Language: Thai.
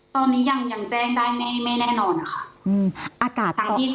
ตอนนี้ยังแจ้งได้ไม่แน่นอนค่ะ